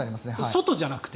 外じゃなくて？